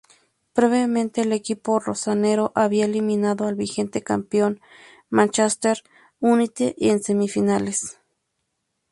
Previamente el equipo "rossonero" había eliminado al vigente campeón, Manchester United, en semifinales.